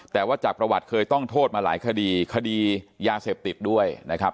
แต่ว่าจากประวัติเคยต้องโทษมาหลายคดีคดียาเสพติดด้วยนะครับ